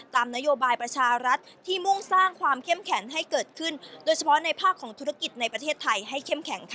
ตามนโยบายประชารัฐที่มุ่งสร้างความเข้มแข็งให้เกิดขึ้นโดยเฉพาะในภาคของธุรกิจในประเทศไทยให้เข้มแข็งค่ะ